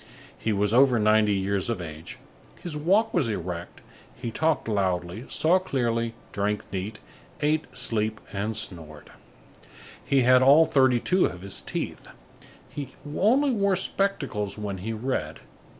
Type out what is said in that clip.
He was over ninety years of age, his walk was erect, he talked loudly, saw clearly, drank neat, ate, slept, and snored. He had all thirty two of his teeth. He only wore spectacles when he read.